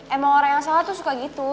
emang orang yang salah tuh suka gitu